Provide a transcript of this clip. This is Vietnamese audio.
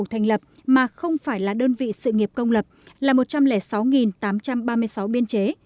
thành lập mà không phải là đơn vị sự nghiệp công lập là một trăm linh sáu tám trăm ba mươi sáu biên chế